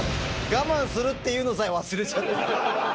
我慢するっていうのさえ忘れちゃって。